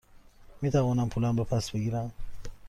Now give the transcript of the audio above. می توانم پولم را پس بگیرم؟